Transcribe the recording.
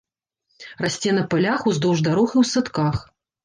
Расце на палях, уздоўж дарог і ў садках.